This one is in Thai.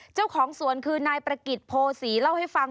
เจ้าของสวนคือนายประกิจโพศีเล่าให้ฟัง